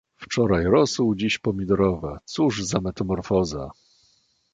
Wczoraj rosół, dziś pomidorowa; cóż za metamorfoza!